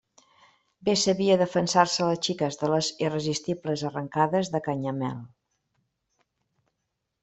Bé sabia defensar-se la xica de les irresistibles arrancades de Canyamel!